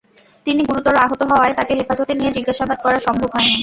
তিনি গুরুতর আহত হওয়ায় তাঁকে হেফাজতে নিয়ে জিজ্ঞাসাবাদ করা সম্ভব হয়নি।